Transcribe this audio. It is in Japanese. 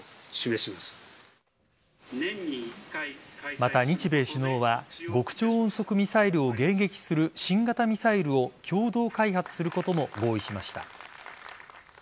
また、日米首脳は極超音速ミサイルを迎撃する新型ミサイルを共同開発することも合意しました。